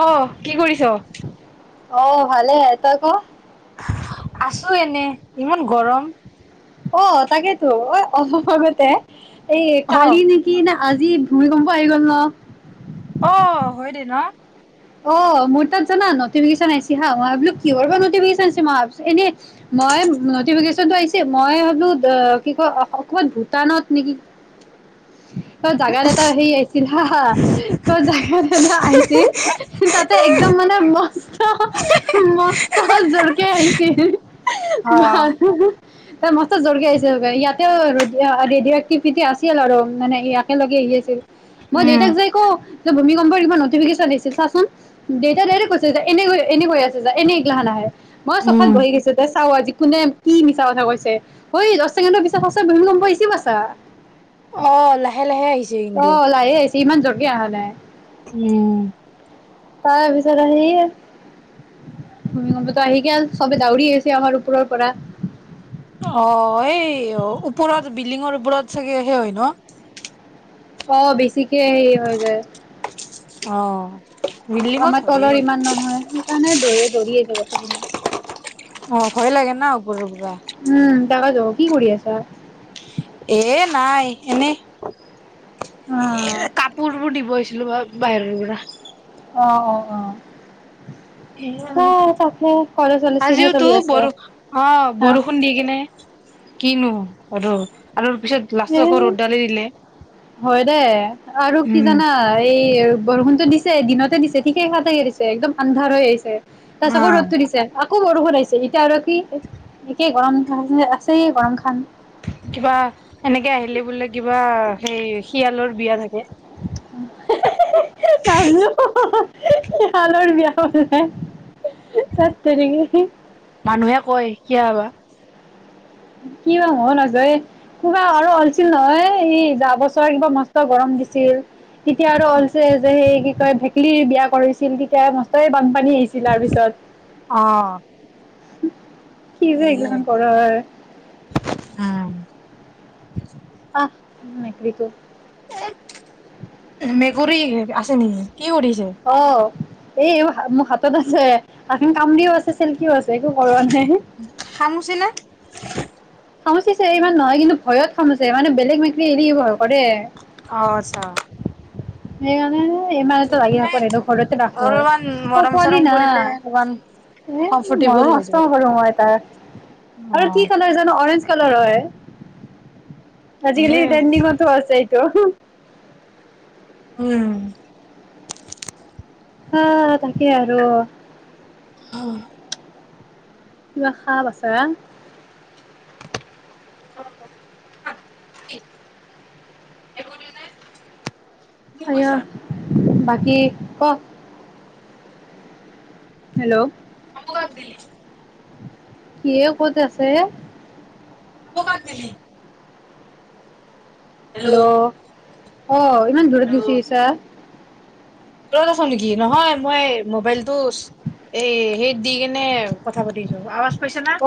অঁ কি কৰিছ অঁ ভালে তই ক' আছো এনে ইমান গৰম অঁ তাকেতো অঁ অলপ আগতে এই অ', কালি নেকি না আজি ভূমিকম্প আহি গ'ল ন অ হয় দে ন অঃ মোৰ তাত জানা নটিফিকেচন আহিছে হাঁ মই ভাবিলোঁ কিহৰ বা নটিফিকেচন আহিছে মই এনে মই নটিফিকেচন টো আহিছে মই ভাবিলো কি কয় অসমত ভূটানত নেকি কত জাগাত এটা হেৰি আহিছিল হা কত জাগাত এটা আহিছিল কি তাতে একদম মানে ম স্ত মস্ত জোৰকে আহিছিল অ', ভাবিলো এ মস্ত জোৰক আহিছিল ইয়াতে ৰেডিঅ' এক্টিভিটি আছিল আৰু মানে ইয়াত একেলগে আহি আছিল মই উম, দেউতাক যাই কওঁ ভূমিকম্পৰ কিবা নটিফিকেশন দিছিল চাচোন দেউতাই ডাইৰেক্ট কৈছে যে এনে এনেকৈ আছে যে এনে এগলা নাহে মই চখত উম, বহি গৈছো তা চাও আজি কোনে কি মিছা কথা কৈছে দহ ছেকেণ্ডৰ পিছত সঁচা ভুমিকম্প ৰিচিভ আছে অ লাহে লাহে আহিছে কিন্তু লাহে আহিছে ইমান জৰকে অহা নাই উম তাৰ পিছত আহি ভূমি আহি গ'ল চবে দাউৰি আহিছে আমাৰ ওপৰৰ পৰা অ এই ওপৰত বিল্ডিঙৰ ওপৰত চাগে সেয়া হয় ন অ বেছিকে হে হৈ যায় অ বিল্ডিঙত আমাৰ হয়ে তলৰ ইমান নহয় সেইকাৰণে দৌৰি দৌৰি যাব যেনে অ ভয় লাগে না ওপৰৰ পৰা উম যাবা যাব কি কৰি আছা এ নাই এনেই অ কাপোৰ বোৰ দিব আহিছিলো বাৰু বাহিৰৰ পৰা অ অ অ চাই তাকে কলেজ চলেজ কেনে আজিওতো চলি আছে বৰষুণ অ হা বৰষুণ দি কিনে কিনো আৰু আৰু পিছত লাষ্টত এ আকৌ ৰ'দডালি দিলে। হয় দে আৰু কি উম। জানা এই বৰষুণটো দিছে দিনতে দিছে ঠিকেই সাতে দিছে একদম আন্ধাৰ হৈ আহিছে তাৰ পিছত হা আকৌ ৰ'দ টো দিছে খুব বৰষুণ আছে এতিয়া আৰু কি একে গৰম মোৰ যে চ ই গান চান কিবা এনেকে আহিলে বোলে কিবা অ সেই শিয়ালৰ বিয়া থাকে উ উ শিয়ালৰ বিয়াখন চাইছা তাত তেৰিগি মানুহে কয় কিয় বা কি হয় নাজায় কোনে আৰু আছিল নহয় এই যোৱা বছৰ কিবা মাৰ্চত গৰম দিছিল তেতিয়া আৰু ওলছে যে সেই বিষয় কয় বিয়া কৰিছিল তেতিয়া মষ্টৰে বান পানী আহিছিল তাৰ পিছত অ কি যে সেয়ে এইগিলাখান কৰা হয় উ আহ মেকিকো কৰি আছে নেকি কি কৰিছে অহ এই মোৰ হাতত আছে এখন কামৰিও আছে চিল্কিও আছে তইতো কৰোৱা নাই খামুচি নে সামুচিছে ইমান কিন্তু ভয়ত খামুচছে মানে বেলেগ মেকৰি হেৰিহব অ আছা সেই মানে ইমানো লাগি থাক সদ ঘৰতে ৰাখো অলপমান আৰু মৰম পোৱালি চৰম না কৰিলে অলপমান এ কমফৰ্টেবল মৰো হৈ যাব নষ্ট কৰো মই তাৰ অ আৰু কি কালাৰ জানো অৰেঞ্জ কালৰ অই আজি কালি সেয়ে ত্ৰন্দিংটো আছে এইটো উম হা তাকে আৰু অ' কিবা সাপ আছে হা [unintelligible] আয়া বাকী ক হেল্ল' কত দিল কি ক'ত আছে নকবা কেলে হেল্ল' অ ইমান দূৰত গুচি গৈছা ৰত আছ নেকি নহয় মই মোবাইলতটো এই হেইত দি কেনে কথা পাতিছো আওআ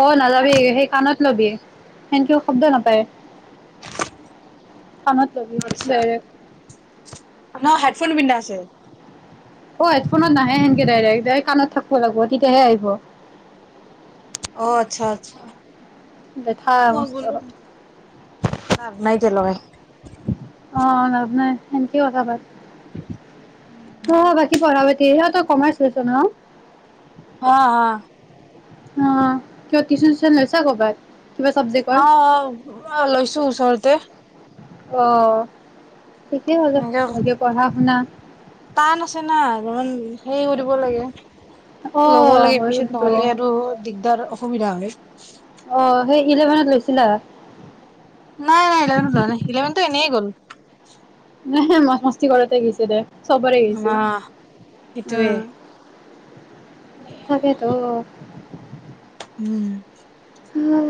অ নাযাবি সেই কাণত লবি সেন কেও শব্দ নাপায় খনত লাগি আচ্ছা দেইৰেক চোন পিন্ধা আছে অ হেডফোনত নাহে সেনকে ডাইৰেক্ কাণত থাকব লাগ ব তেতিয়াহে আহিব অ আচ্ছা আচ্ছা দেঠা মই মস্ত তি লগাই অ লাজ নাই সেনকেও হব বাত অ বাকী পঢ়া বাতি সেইহেটো কমাৰ্চ লৈছে ন অ অ কিয় টিউশন চিশন লৈছা কৰ'বাত কিবা চাবজেক্টৰ? অ অ অ লৈছো ওচৰৰত দেহ আহ ঠিকেই হ'ল এনেকে ভালকে পঢ়া শুনা। টান আছে না অলপমান হেৰি কৰিব লাগে ল'ব অ', লাগে হয় পিছত কিন্তু নহ'লে আৰু দিগদাৰ হব অ সুবিধা হয় অ', সেই ইলেভেনত লৈছিলা টোৰ এনেই গল নাই হে ম মস্তি কৰোতে গৈছে দে। চবৰে অ গৈছে সেইটোয়ে উম তাকেতো উম অ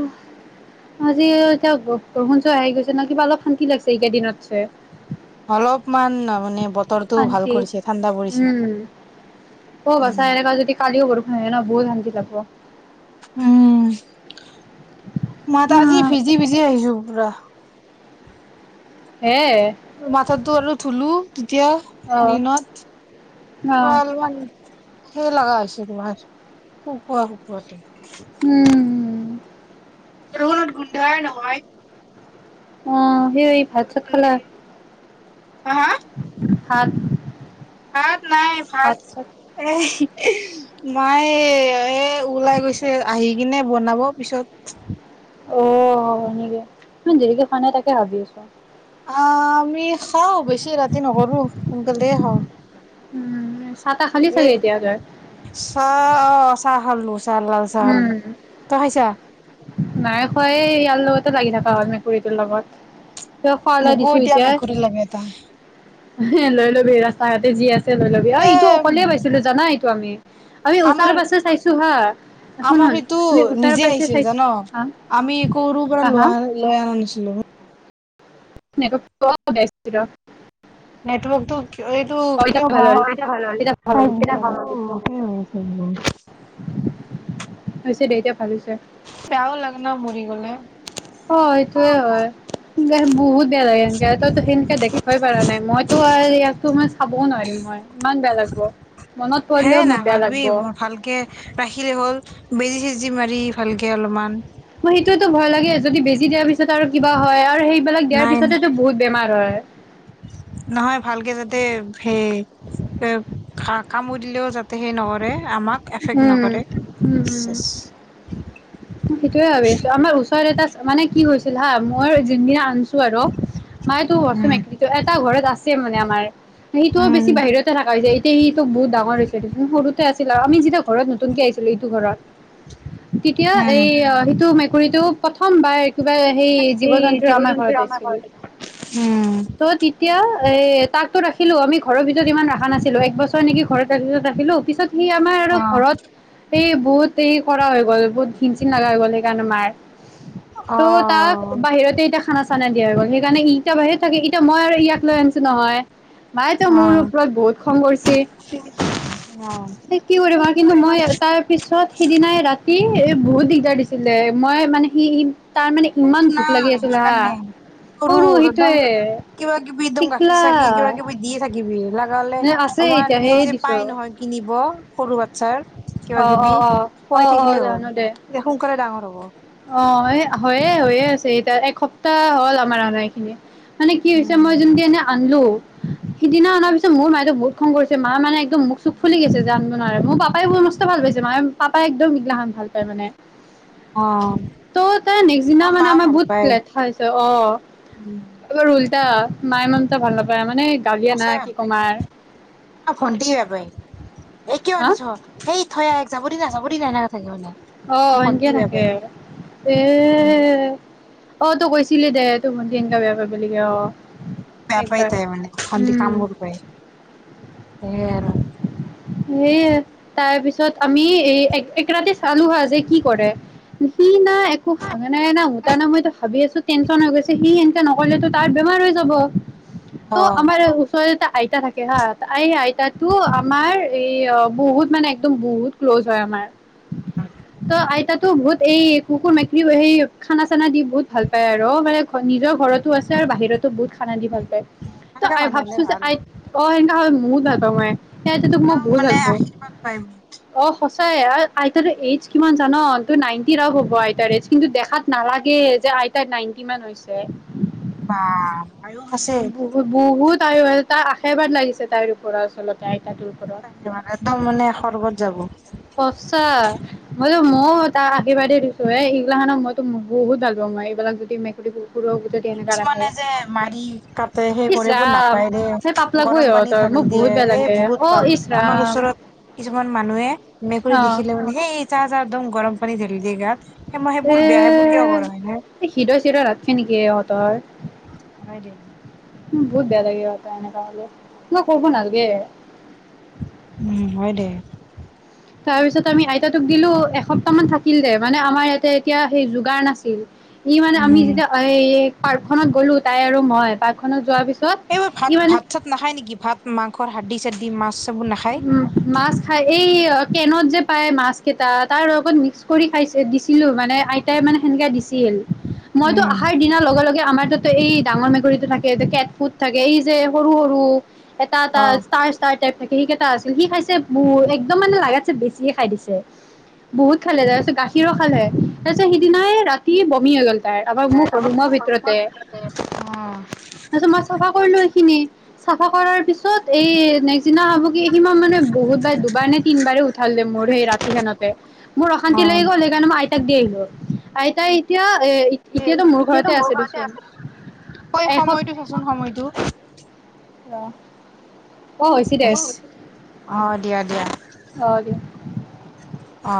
আজি এতিয়া গহণ চাৰ আহি গৈছে ন কিবা অলপ শান্তি লাগিছে এইকেই দিনত চে অলপমান মানে ব শান্তি উম অ উম বাছা এনেকে যদি কালিও বৰষুণ আহে ন বৰ বহুত শান্তি থপ [unintelligible] উম মই ত আজি অ', ভিজি ভিজি আহিছো পুৰা হে তোৰ মাঠা টো আৰু থুলো। তেতিয়া অ', দিনত অ', পোৱাল সেই লগা আছে তোমাৰ শুকোৱা শুকোৱা তে উম ৰহনত গোন্ধাই নহয় উম উই ভাত চাত খালা? অ সাত ভাত নাই ভাত এ হে মায়ে এই ওলাই গৈছে আহি কিনে বনাব পিছত অ সেনেকে ইমান দেৰিলৈকে খোৱা নাই তাকে ভাবি আছো অ আমি খাওঁ ব বৰ বেছি ৰাতি নকৰো সোনকালে হল। উম, চাহ তাহ খালি এ চাগে এতিয়া তই? চ চাহ খালো চাহ লাল চাহ উম। তই খাইছা? নাই খোৱা এই ইয়াৰ লগতে লাগি থকা হ'ল মেকুৰীটোৰ লগত কিয় খোৱালে মোকো দিছো এতিয়া মেকুৰী লাগে এটা এ লৈ ল'বি ৰাস্তা ঘাটে যি আছ অ এ এইটো অকলে পাইছিলো জানা স্বামী আমাৰ আমাৰ সেইটো [unintelligible] হা হা [unintelligible] [unintelligible] নেটৰ্কটো অ' এতিয়া ভাল হ'ল। এতিয়া এইটো ভাল হ'ল এতিয়া ভাল হ'ল কিয় ভ হৈছে দে এতিয়া ভাবিছে বেয়াও লাগে ন মৰিগলে অ সটোয়ে হয় বহুত বেয়া লাগে সেনকে তইতো সেনেকে দেখিব পৰা নাই, মইতো আৰু ইয়াতো মই চাবও নোৱাৰিম মই ইমান বেয়া লাগব মনত হে পৰিলেও মোক বেয়া নাভাবি লাগব। ব ভালকে ৰাখিলে হ'ল। বেজি চেজি মাৰি ভালকৈ অলপমান মই সেইটোয়েতো ভয় লাগে যদি বেজি দিয়া পিছ পিছত আৰু কিবা হয় আৰু সেইবিলাক দিয়াৰ নাই পিছতেটো বহুত বেমাৰ হয়। নহয় ভালকে যাতে সেই এ কামোৰ দিলেও যাতে সেই নকৰে আমাক এফেক্ট উম নকৰে উম উম। ছেচ সেইটোয়ে ভাবি আছো আমাৰ ওচৰত এটা মানে কি হৈছিল হাঁ মই যোনদিনা আনছো আৰু [unintelligible] উম [unintelligible] সেইটো উম বেছি বাহিৰতে থকা জায় সি সিতো বহুত ডাঙৰ হৈছিল, সৰুতে আছিল আৰু আমি যেতিয়া ঘৰত নতুনকে আহিছিলো এইটো ঘৰত এয়া এতিয়া উম এই সিটো মেকুৰীটো প্ৰথম বাৰ কিবা সেই জীৱ জন্তু আমাৰ ঘৰত আহিছিল, উম ত তেতিয়া এ তাকতো ৰাখিলো আমি ঘৰৰ ভিতৰত ইমান ৰখা নাছিলো একবছৰ হয় নেকি ঘৰত তাৰপিছত ৰাখিলো তাৰপিছত ই আমাৰ আৰু অ ঘৰত এই বহুত এই কৰা হৈ গল বহুত ঘিন চিন লগা গ'ল সেইকাৰণে মাৰ অ ত' তাক বাহিৰতে দেখা নাছি দিয়া হৈ গল, সেইকাৰণে এতিয়া বাহিৰত থাকে সি এয়া মই আৰু ইয়াক লৈ আনিছো নহয় ভাই ত মোৰ অ ওপৰত বহুত খং কৰিছেি কি কৰি আৰু কিন্তু মই তাৰ পিছত সিদিনাই ৰাতি এ বহুত দিগদাৰ দিছিলে মই মানে সি তাৰ মানে ভুক ইমান ভোক লাগি নাই আছিলে হা সেইকাৰণে সৰু সৰু একদম কিবা কিবি একদম গাখীৰ টিকলা চাখি কিবা কিবি দিয়ে থাকিবি লগালে আছে অমান এতিয়া এই সেয়ে যে দিছো পাই নহয় কিনিব সৰু বাচ্ছাৰ কিবা অ অ কিবি অ অ খুৱাই অ থাকিলে হ'ল জানো দে সোনকালে ডাঙৰ হ'ব অ হয়ে হৈয়ে আছে এতিয়া এসপ্তাহ হ'ল আমাৰ অনা এই খিনি মানে কি হৈছে উম মই যদি এনে আনিলো সিদিনা অনাৰ পিছত মোৰ মায়ে বহুত খং কৰিছে মা মানে একদম মোক চুক ফুলি গৈছে জান নোৱাৰে মোৰ পাপাইোৰ সমস্তে ভাল পাইছে মে পাপাই একদম মগিলাখনান ভাল পায় মানে অ ত' তাৰ নেক্স দিনা মানে মা আমাৰ ভাল বহুত পায় লেঠা হৈছে অ। উম নাই ম ত ভাল ন পায় আম আচ বাপ অ ভণ্টি বাপাই এই কয়া হা আনিছ এই থ যাবৰি না যাব দ নাই ন আহ সনকে থাকে এ এ এ অ তই কৈছিলি দে তোৰ ভণ্টি এনেকা বেয়া কৰিবাব লাগে অ বেয়া পাই একবাৰ। তাই মানে অদি কাম কৰিব পায় সেই তাৰ পিছত তত আমি এই একৰাতে চালো হা যে কি কৰে সি নাই একো ভা নাই না উতা ন ময়ইো ভাবি আছো টেনশন হৈ গৈছে সি তেয়া নকলে তাৰ বেমাৰ হৈ যাব। অ ত' আমাৰ ওচৰৰত এটা আইতা থাকে হা আ আইতা। তাতো আমাৰ এই বহুত মানে একদম বহুত ক্ল'জ হয় আমাৰ ত আইত তোৰ বহুত এই কুকুৰ মেকৰি এই খানা চানা দি বহুত ভাল পায় আৰু মানে নিজৰ ঘৰতো আছে আৰু বাহিৰত। বহুত খানা দি ভাল পায় ত সেনেকা আই মানুহ হলে ভাবছো যে ভাল আই অ হেংকা হয় মুত ভ সময় সেই এতিয়া তোক মই একদম বহুত মানে ভাল পাওঁ আশীৰ্বাদ পায় অ সঁচা অ আইতাৰ এইজ কিমান জান ত নাইনটি আপ হ'ব আইতাৰ এইজ কিন্তু দেখাত নালাগে যে আইতাৰ নাইনটি মান হৈছে। বা আয়ুস আছে বুত বহুত আয় এটা সেইবাৰ লাগিছে তাইৰ ওপৰত। চলতাই আহিবান একদম মানে সৰ্গত যাব সঁচা মইতো ময়ো তাক আশীৰ্বাদে দিছো এ এইগিলা খানক মইতো বহুত ভাল পাওঁ মই এইবিলাক যদি মেকুৰী কুকুৰক যদি এনেকা ৰাখে কিছুমানে যে মাৰি কাটে সেই ইচ কৰিবোৰ ৰাম নাপায় দে সেই পাপ লাগবই গৰম পানী সিহঁতৰ ঢালি মোক দিয়ে বহুত বেয়া এই লাগে অ বহুত ভাব ইচ আমাৰ ৰাম ওচৰত কিছুমান মানুহে মেকুৰী অ দেখিলে মানে এই চাহ একদম গৰম পানী ধালি দিয়ে গাত সেই মই এ সেইবোৰ বেয়া সেইবোৰ কিয় কৰা হয় নে হৃদয় চিদয় ৰাখছে নেকি এহঁত তাৰ হয় দে ন বহুত বেয়া লাগে মানে এনেকোৱা হলে ন ক'ব নালাগে উম হয় দে তাৰপিছত আমি আইতাতোক দিলো এসপ্তাহমান থাকিলে মানে আমাৰ ইয়াতে এতিয়া সেই যোগাৰ নাছিল ই মানে আমি উম যেতিয়া পাৰ্ক খত গলো তাই আৰু মই পাৰ্কখনত যোৱাৰ পিছত এইবাৰ ই ভাত মানে ভাত চাত নাখায় নেকি ভাত মাংস হাৰ্ডি চাৰ্ডি মাছ চাবোৰ নাখায় উম মাছ খাই এই কেনত যে পায় মাছকেইটাত তাৰ লগত মিক্স কৰি খাইছে দি ছিলো মানে আইতাই মানে সেনেকে দিছিল মইতো উম অহাৰ দিনাৰ লগে লগে আমাৰ তাত ত এই ডাঙৰ মেকুৰীতটো থাকে কেট ফুট থাকে এই যে সৰু সৰু এটা এটা অ ষ্টাৰ ষ্টাৰ [unintelligible] সেইকেইটা আছিল সি খাইছে বহু একদম মানে লাগাতছে বেছিয়ে খাই দিছে বহুত খালে তাৰ পিছত গাখীৰো খালে তাৰপিছত সিদিনাই ৰাতি বমি হৈ গল তাৰ মোক ৰুমৰ ভিতৰতে তাৰপিছত মই চাফা কৰিলো এইখিনি চাফা কৰাৰ পিছত এই নেক্স দিনা আহোতে সি মানে মানে বহুতবাৰ দুবাৰ নে তিনিবাৰে উঠাল মোৰ সেই ৰাতিখনতে মোৰ অ অশান্তি লাগি গল সেইকাৰণে মই আইতাক দি আহিলো আইতাই এতিয়া এতিয়াতো মোৰ ঘৰতে আছে দেচোন এসপ্তা হয় ন অ দিয়া দিয়া অ দিয় অ